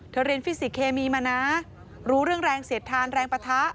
เรียนฟิสิกเคมีมานะรู้เรื่องแรงเสียดทานแรงปะทะ